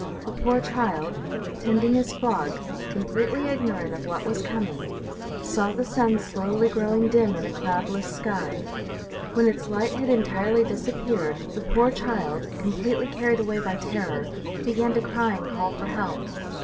A poor child, tending his flock, completely ignorant of what was coming, saw the sun slowly growing dim in a cloud less sky. When its light had entirely disappeared the poor child, completely carried away by terror, began to cry and call for help.